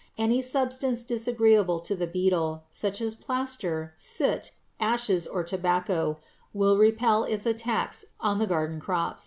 Any substance disagreeable to the beetle, such as plaster, soot, ashes, or tobacco, will repel its attacks on the garden crops.